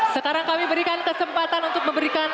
sekarang kami berikan kesempatan untuk memberikan